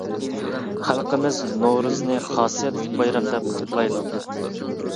خەلقىمىز نورۇزنى خاسىيەتلىك بايرام دەپ قۇتلايدۇ.